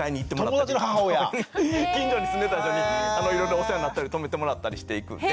近所に住んでた間にいろいろお世話になったり泊めてもらったりしていく。